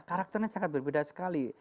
karakternya sangat berbeda sekali